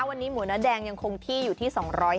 วันนี้หมูน้ำแดงยังคงที่อยู่ที่สองร้อย